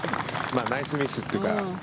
ナイスミスっていうか。